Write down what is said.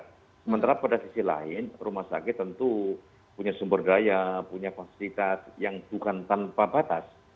sementara pada sisi lain rumah sakit tentu punya sumber daya punya fasilitas yang bukan tanpa batas